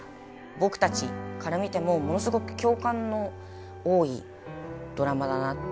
僕たちから見てもものすごく共感の多いドラマだなって。